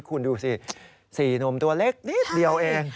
คุณดูสิ๔หนุ่มตัวเล็กนิดเดียวเอง